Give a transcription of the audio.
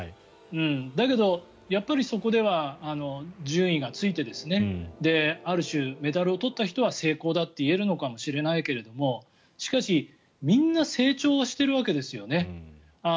だけど、やっぱりそこでは順位がついてある種、メダルを取った人は成功だって言えるのかもしれないけれどしかし、みんな成長はしてるわけですよね。